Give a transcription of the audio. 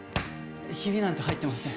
ヒビなんて入ってません。